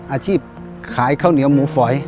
อาชีพขายข้าวเหนียวหมูฝอย